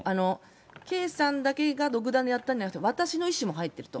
圭さんだけが独断でやったんじゃなくて、私の意思が入ってると。